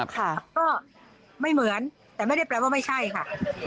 ค่ะก็ไม่เหมือนแต่ไม่ได้แปลว่าไม่ใช่ค่ะ